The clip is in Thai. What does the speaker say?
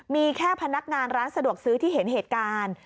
มีแค่พนักงานร้านสะดวกซื้อที่เห็นเหตุการณ์